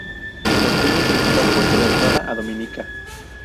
Contiene el principal puerto de entrada a Dominica.